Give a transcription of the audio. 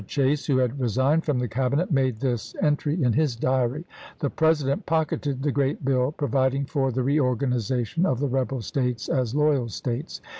Chase, who had resigned from the Cabinet, made this entry in his diary :" The President pocketed the great bill pro viding for the reorganization of the rebel States as loyal States.